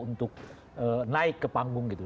untuk naik ke panggung gitu